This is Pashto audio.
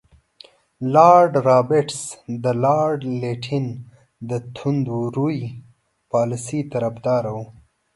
لارډ رابرټس د لارډ لیټن د توندروي پالیسۍ طرفدار وو.